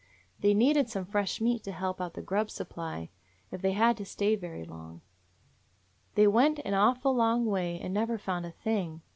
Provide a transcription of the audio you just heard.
They needed some fresh meat to help out the grub supply, if they had to stay very long. They went an awful long way and never found a thing.